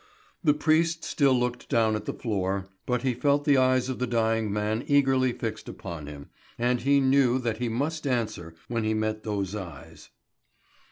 The priest still looked down at the floor, but he felt the eyes of the dying man eagerly fixed upon him, and he knew that he must answer when he met those eyes.